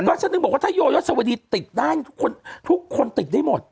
ก็ฉันถึงบอกว่าถ้าโยยศวดีติดได้ทุกคนทุกคนติดได้หมด